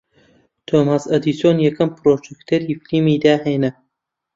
تۆماس ئەدیسۆن یەکەم پڕۆجێکتەری فیلمی داھێنا